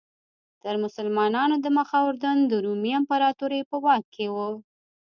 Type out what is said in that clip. تر مسلمانانو دمخه اردن د رومي امپراتورۍ په واک کې و.